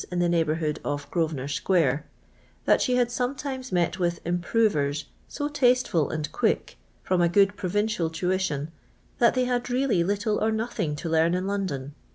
in the neighbourhood of Grosvenor square, that I she had sometimes met with " improvers" so taste I ful and quick, from a good provincial tuition, that ■ they had really little or nothing to learn in Lon ' don.